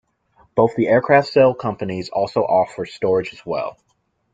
Both the aircraft sales companies also offer storage as well.